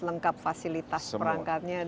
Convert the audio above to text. lengkap fasilitas perangkatnya semua